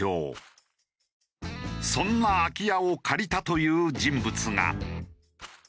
そんな空き家を借りたという人物が。